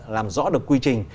làm rõ được quy trình